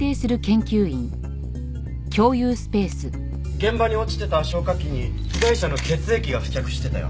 現場に落ちてた消火器に被害者の血液が付着してたよ。